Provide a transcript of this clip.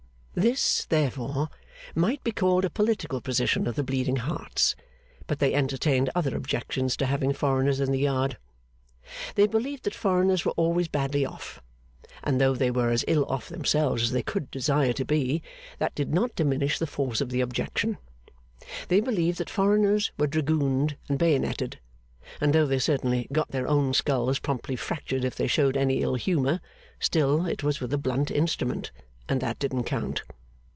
This, therefore, might be called a political position of the Bleeding Hearts; but they entertained other objections to having foreigners in the Yard. They believed that foreigners were always badly off; and though they were as ill off themselves as they could desire to be, that did not diminish the force of the objection. They believed that foreigners were dragooned and bayoneted; and though they certainly got their own skulls promptly fractured if they showed any ill humour, still it was with a blunt instrument, and that didn't count.